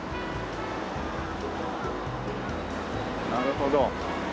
なるほど。